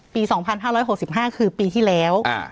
ปี๒๕๖๕คือปีที่แล้ว